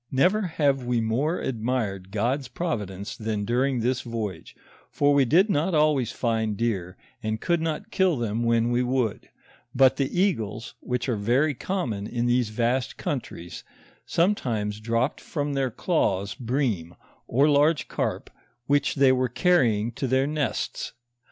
Never have we more admired God's providence than during this voyage, for we did not always find deer, and could not kill them when we would ; but the eagles, which are very common in these vast countries, some times dropped from their claws bream, or large carp, which the} were carrying to their nests.